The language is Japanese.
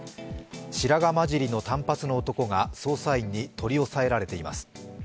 白髪まじりの短髪の男が、捜査員に取り押さえられています。